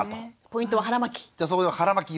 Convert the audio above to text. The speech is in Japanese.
ポイントは腹巻き。